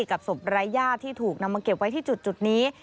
กับศพรายญาติที่ถูกนำมาเก็บไว้ที่จุดนี้